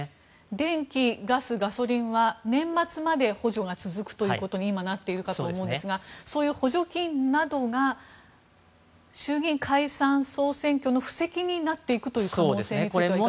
電気、ガス、ガソリンは年末まで補助が続くということに今、なっているかと思うんですがそういう補助金などが衆議院解散・総選挙の布石になっていくという可能性についてはいかがでしょうか。